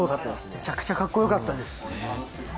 めちゃくちゃかっこよかったです。